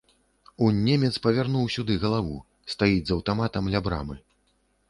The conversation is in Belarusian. Унь немец павярнуў сюды галаву, стаіць з аўтаматам ля брамы.